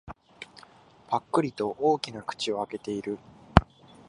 ぱっくりと大きな口を開けている。